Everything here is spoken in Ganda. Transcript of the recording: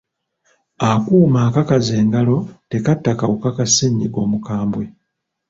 Akuuma akakaza engalo tekatta kawuka ka ssennyiga omukambwe.